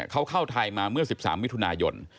เขาเข้าไทยมาเมื่อ๑๓มิถุนายน